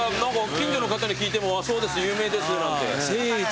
近所の方に聞いてもそうです有名ですなんて。